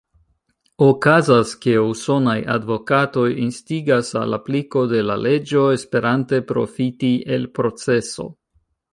Okazas, ke usonaj advokatoj instigas al apliko de la leĝo, esperante profiti el proceso.